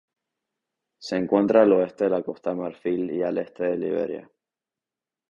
Se encuentra al oeste de la Costa de Marfil y al este de Liberia.